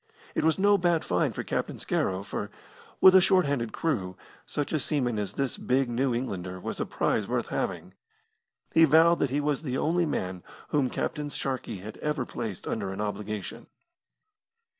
It was no bad find for Captain Scarrow, for, with a short handed crew, such a seaman as this big New Englander was a prize worth having. He vowed that he was the only man whom Captain Sharkey had ever placed under an obligation.